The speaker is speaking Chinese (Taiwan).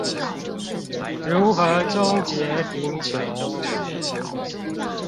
如何終結貧窮？